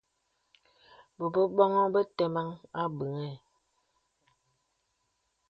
Bōn bǒŋ be təməŋhe àbəŋhə.